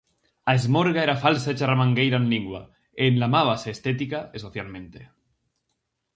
A Esmorga era falsa e charramangueira en lingua e enlamábase estética e socialmente.